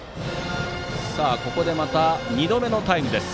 ここで２度目のタイムです。